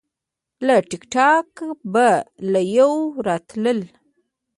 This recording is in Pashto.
له ټیک ټاک به لایو راتللی